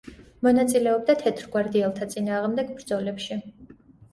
მონაწილეობდა თეთრგვარდიელთა წინააღმდეგ ბრძოლებში.